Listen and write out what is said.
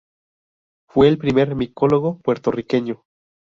Fue el primer micólogo puertorriqueño.